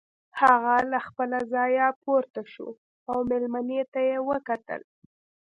هغه له خپله ځايه پورته شو او مېلمنې ته يې وکتل.